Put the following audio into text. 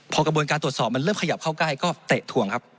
พอกระบวนการตรวจสอบมันเริ่มขยับเข้าใกล้ก็เตะถ่วงครับ